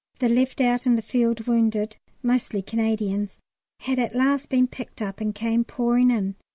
The left out in the field wounded (mostly Canadians) had at last been picked up and came pouring in.